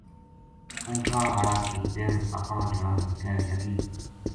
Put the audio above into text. اونٹھاں ہاڑا کی بہن اپنا جنا نا کہن لگی